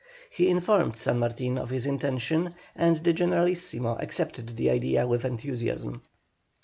He informed San Martin of his intention, and the Generalissimo accepted the idea with enthusiasm.